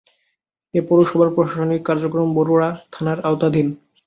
এ পৌরসভার প্রশাসনিক কার্যক্রম বরুড়া থানার আওতাধীন।